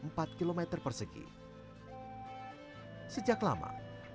sejak lama tambora adalah sebuah kota yang terlalu besar